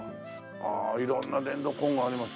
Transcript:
ああ色んな電動工具があります。